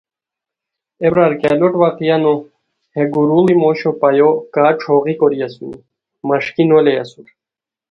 اے برار! کیہ لوٹ واقعہ نو ہے گوروڑی موشو پایو کا ݯھوغی کوری اسونی مݰکی نو لے اسور